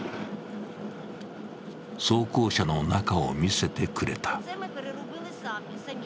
装甲車の中を見せてくれた。